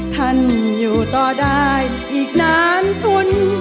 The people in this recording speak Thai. ท่านอยู่ต่อได้อีกนานทุน